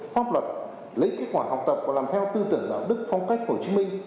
pháp luật lấy kết quả học tập và làm theo tư tưởng đạo đức phong cách hồ chí minh